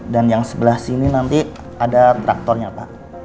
dan yang sebelah sini nanti ada traktornya pak